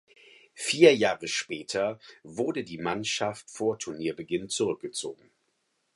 Vier Jahre später wurde die Mannschaft vor Turnierbeginn zurück gezogen.